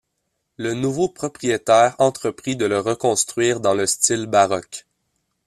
Le nouveau propriétaire entreprit de le reconstruire dans le style baroque.